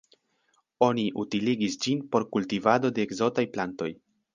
Oni utiligis ĝin por kultivado de ekzotaj plantoj.